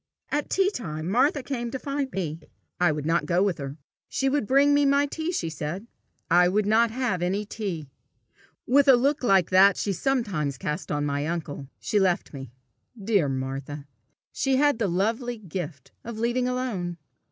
At tea time Martha came to find me. I would not go with her. She would bring me my tea, she said. I would not have any tea. With a look like that she sometimes cast on my uncle, she left me. Dear Martha! she had the lovely gift of leaving alone.